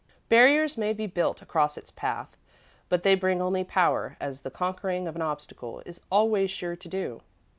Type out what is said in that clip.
Barriers may be built across its path, but they bring only power, as the conquering of an obstacle is always sure to do.